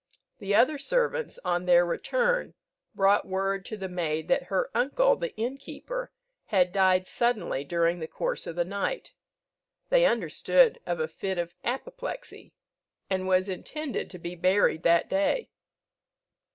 The other servants, on their return, brought word to the maid that her uncle, the innkeeper, had died suddenly during the course of the night they understood of a fit of apoplexy and was intended to be buried that day.